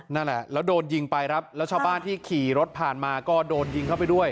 นั่นแหละแล้วโดนยิงไปครับแล้วชาวบ้านที่ขี่รถผ่านมาก็โดนยิงเข้าไปด้วย